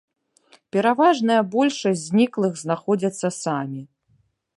Пераважная большасць зніклых знаходзяцца самі.